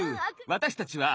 私たちは。